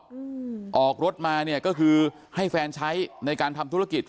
อืมออกรถมาเนี้ยก็คือให้แฟนใช้ในการทำธุรกิจ